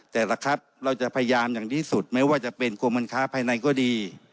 แต่ละครับเราจะพยายามอย่างที่สุดไม่ว่าจะเป็นกรมการค้าภายในก็ดี